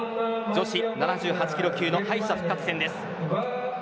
女子７８キロ級の敗者復活戦です。